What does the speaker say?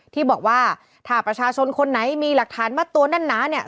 ที่บอกว่าถ้าประชาชนคนไหนมีหลักฐานมัดตัวแน่นหนาเนี่ย